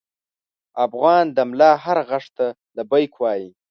افغان د ملا هر غږ ته لبیک وايي.